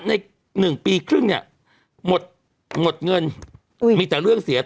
หนึ่งปีครึ่งเนี่ยหมดหมดเงินมีแต่เรื่องเสีย